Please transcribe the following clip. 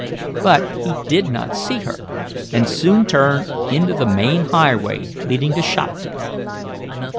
But he did not see her, and soon turned into the main highway leading to Shopton.